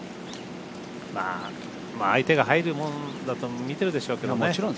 相手が入るもんだとみてるでしょうけどね。